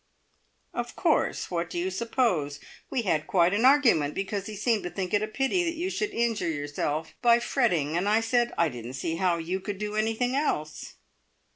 "Of course. What do you suppose? We had quite an argument, because he seemed to think it a pity that you should injure yourself by fretting, and I said I didn't see how you could do anything else."